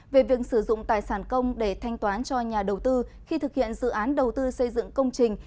về việc sử dụng tài sản công để thanh toán cho nhà đầu tư khi thực hiện dự án đầu tư xây dựng công trình